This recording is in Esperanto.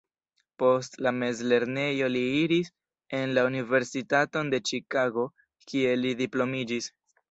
Post la mezlernejo li iris en la Universitaton de Ĉikago kie li diplomiĝis.